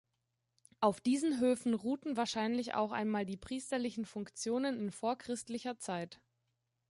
Auf diesen Höfen ruhten wahrscheinlich auch einmal die priesterlichen Funktionen in vorchristlicher Zeit.